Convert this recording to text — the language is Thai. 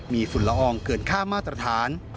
มีฝุ่นละอองเกินค่ามาตรฐาน